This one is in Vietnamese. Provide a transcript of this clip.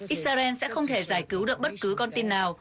israel sẽ không thể giải cứu được bất cứ con tin nào